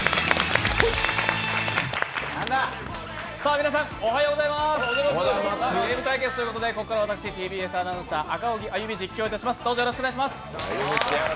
皆さん、おはようございますゲーム対決ということでＴＢＳアナウンサー・赤荻歩実況させていただきます。